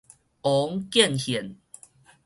王見現